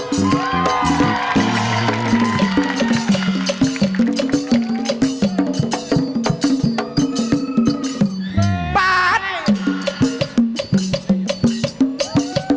กลับมาที่สุดท้าย